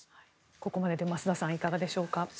ここまでで増田さんいかがでしょうか。